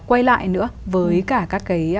quay lại nữa với cả các cái